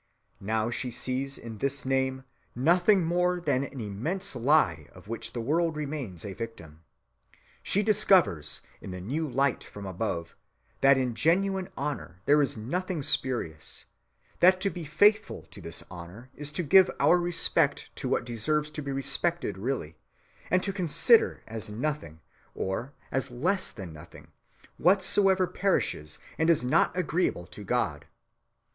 Now she sees in this name nothing more than an immense lie of which the world remains a victim. She discovers, in the new light from above, that in genuine honor there is nothing spurious, that to be faithful to this honor is to give our respect to what deserves to be respected really, and to consider as nothing, or as less than nothing, whatsoever perishes and is not agreeable to God....